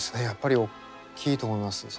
やっぱりおっきいと思います。